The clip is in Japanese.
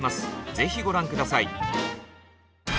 ぜひご覧下さい。